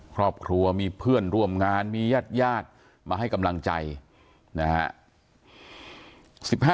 ครอบครัวมีเพื่อนร่วมงานมีญาติญาติมาให้กำลังใจนะฮะ